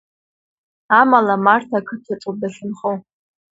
Амала, Марҭа ақыҭаҿоуп дахьынхо.